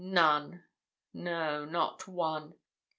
None no, not one.